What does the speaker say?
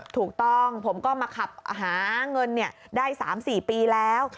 ถูกต้องผมก็มาขับหาเงินได้๓๔ปีแล้ว